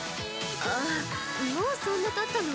ああもうそんなたったの？